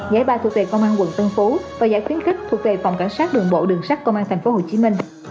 giải ba thuộc về công an quận tân phú và giải khuyến khích thuộc về phòng cảnh sát đường bộ đường sát công an tp hcm